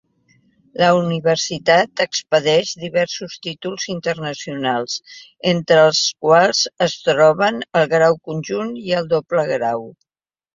La universitat expedeix diversos títols internacionals, entre els quals es troben el grau conjunt i el doble grau.